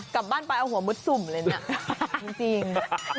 กลับบ้านไปเอาหัวมุดสุ่มเลยเนี่ยจริง